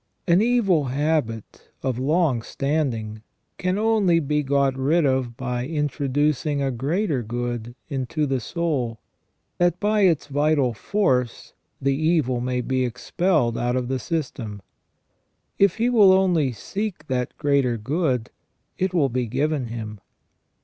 An evil habit of long standing can only be got rid of by in troducing a greater good into the soul, that by its vital force the evil may be expelled out of the system. If he will only seek that greater good, it will be given him.